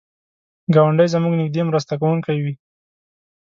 ګاونډی زموږ نږدې مرسته کوونکی وي